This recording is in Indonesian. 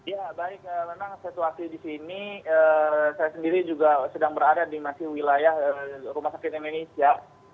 ya baik memang situasi di sini saya sendiri juga sedang berada di masih wilayah rumah sakit indonesia